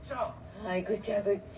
「はい。ぐちゃぐちゃ」。